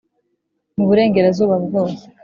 mu burengerazuba bwose